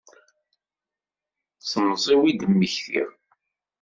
D temẓi-w i d-mmektiɣ.